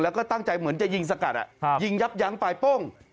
แล้วก็ตั้งใจเหมือนจะยิงสกัดยิงยับยั้งปลายโป้ง